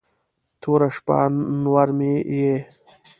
توره شپه، انور مې یې